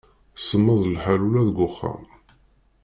Semmeḍ lḥal ula deg uxxam.